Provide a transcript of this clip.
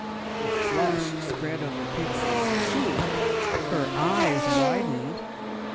A flush spread over Pixie's cheek; her eyes widened.